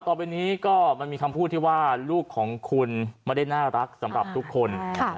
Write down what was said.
ต่อไปนี้ก็มันมีคำพูดที่ว่าลูกของคุณไม่ได้น่ารักสำหรับทุกคน